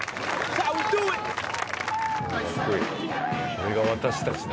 「これが私たちだ！」。